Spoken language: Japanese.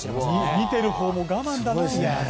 見ているほうも我慢だな。